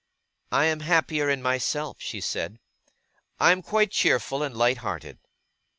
'I am happier in myself,' she said; 'I am quite cheerful and light hearted.